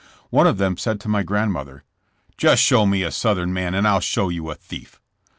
One of them said to my grandmother : *'Just show me a southern man and I'll show you a thief.